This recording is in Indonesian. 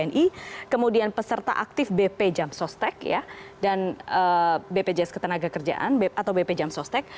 jadi kemudian peserta aktif bp jam sostek dan bpjs ketenaga kerjaan atau bp jam sostek